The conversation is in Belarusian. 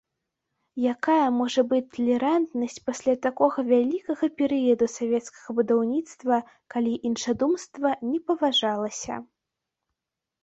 Якая можа быць талерантнасць пасля такога вялікага перыяду савецкага будаўніцтва, калі іншадумства не паважалася?